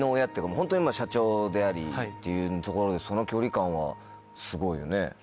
ホントに社長でありっていうところでその距離感はすごいよね。